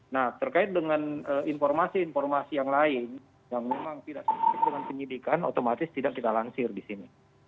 nah terkait dengan informasi informasi yang lain yang memang tidak sesuai dengan penyidikan otomatis tidak kita langsir di sini